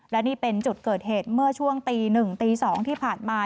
และนี่เป็นจุดเกิดเหตุเมื่อช่วงตี๑ตี๒ที่ผ่านมา